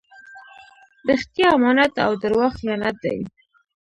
رښتیا امانت او درواغ خیانت دئ.